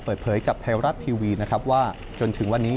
เปิดเผยกับไทยรัฐทีวีนะครับว่าจนถึงวันนี้